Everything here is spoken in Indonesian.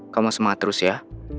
kamu semangat terus ya